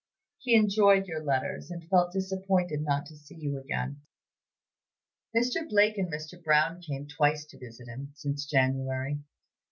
He enjoyed your letters, and felt disappointed not to see you again. Mr. Blake and Mr. Brown came twice to visit him, since January.